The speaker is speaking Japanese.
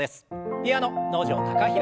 ピアノ能條貴大さん。